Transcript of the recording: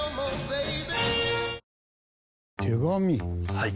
はい。